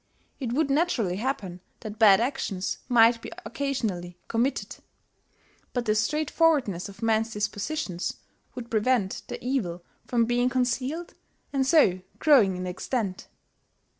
It would naturally happen that bad actions might be occasionally committed; but the straightforwardness of men's dispositions would prevent the evil from being concealed and so growing in extent.